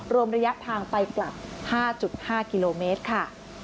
รวมระยะทางไปกลับ๕๕กิโลเมตรค่ะ